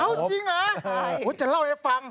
เอาจริงเหรอจะเล่าให้ฟัง